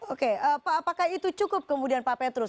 oke apakah itu cukup kemudian pak petrus